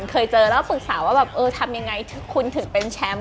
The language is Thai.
เคยเจอแล้วปรึกษาว่าแบบเออทำยังไงคุณถึงเป็นแชมป์